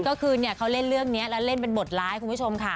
ก็คือเขาเล่นเรื่องนี้แล้วเล่นเป็นบทร้ายคุณผู้ชมค่ะ